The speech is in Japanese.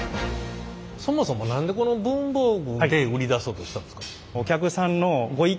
そもそも何で文房具で売り出そうとしたんですか？